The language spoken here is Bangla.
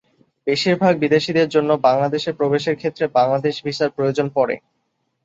বেশিরভাগ বিদেশীদের জন্য বাংলাদেশে প্রবেশের ক্ষেত্রে বাংলাদেশ ভিসার প্রয়োজন পড়ে।